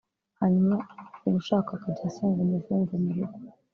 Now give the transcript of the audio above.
hanyuma ubushaka akajya asanga umuvumvu mu rugo